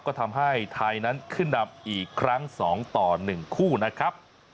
ก็ทำให้ไทยนั้นขึ้นนำอีกครั้ง๒ต่อ๑คู่นะครับ